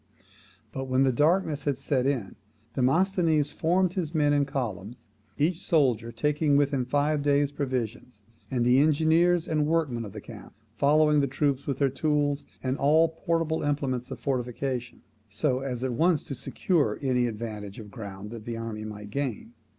But, when the darkness had set in, Demosthenes formed his men in columns, each soldier taking with him five days' provisions, and the engineers and workmen of the camp following the troops with their tools, and all portable implements of fortification, so as at once to secure any advantage of ground that the army might gain.